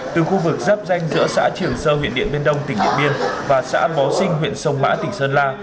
từ khu vực dắp danh giữa xã triều sơ huyện điện biên đông tỉnh điện biên và xã bó sinh huyện sông mã tỉnh sơn la